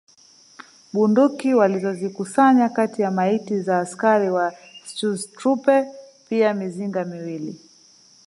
Bunduki walizozikusanya kati ya maiti za askari wa Schutztruppe pia mizinga miwili